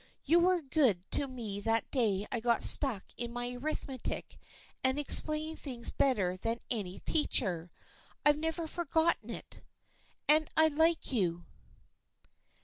You were good to me that day I got stuck in my arithmetic and ex plained things better than any teacher. I've never forgotten it. And I like you."